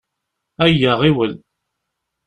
Ayya, ɣiwel!